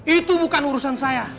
itu bukan urusan saya